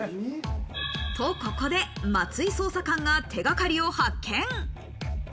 と、ここで松井捜査官が手掛かりを発見。